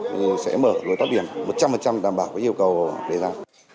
thì sẽ mở lối thoát hiểm một trăm linh đảm bảo cái yêu cầu đề ra